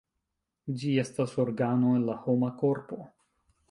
Ĝi estas organo en la homa korpo.